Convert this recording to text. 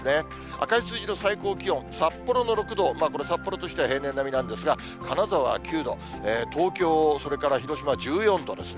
赤い数字の最高気温、札幌の６度、これ、札幌としては平年並みなんですが、金沢は９度、東京、それから広島は１４度ですね。